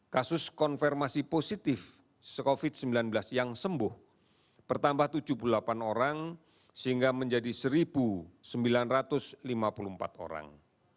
kasus konfirmasi positif covid sembilan belas yang sembuh bertambah tujuh puluh delapan orang sehingga menjadi satu sembilan ratus lima puluh empat orang